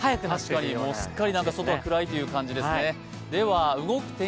確かに、すっかり外は暗いという感じですね。